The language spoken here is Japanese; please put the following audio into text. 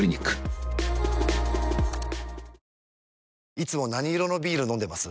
いつも何色のビール飲んでます？